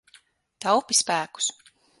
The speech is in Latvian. Taupi spēkus.